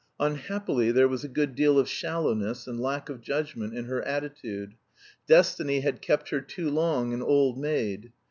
Unhappily there was a good deal of shallowness and lack of judgment in her attitude. Destiny had kept her too long an old maid.